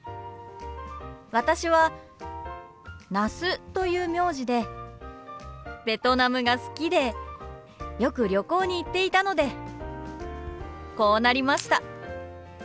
私は那須という名字でベトナムが好きでよく旅行に行っていたのでこうなりました。